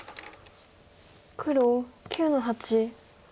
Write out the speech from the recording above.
黒９の八。